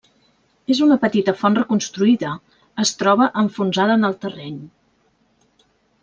És una petita font reconstruïda, es troba enfonsada en el terreny.